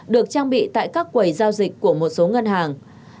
được trang bị tại các quầy giao dịch của một số ngân hàng